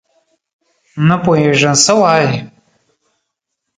نه پوهېږم څه وایې ؟؟